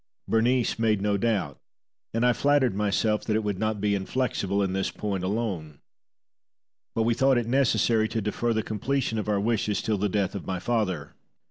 Berenice made no doubt, and I flattered myself that it would not be inflexible in this point alone. But we thought it necessary to defer the completion of our wishes till the death of my father.